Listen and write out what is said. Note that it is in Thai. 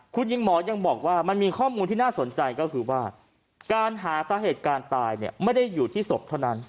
คุณหญิงหมอยังบอกว่ามันมีข้อมูลที่น่าสนใจก็คือว่าการหาสาเหตุการณ์ตายเนี่ยไม่ได้อยู่ที่ศพเท่านั้น